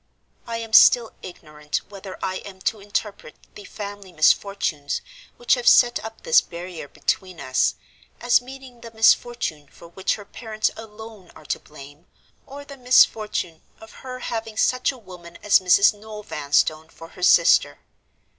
I am still ignorant whether I am to interpret the 'family misfortunes' which have set up this barrier between us, as meaning the misfortune for which her parents alone are to blame, or the misfortune of her having such a woman as Mrs. Noel Vanstone for her sister.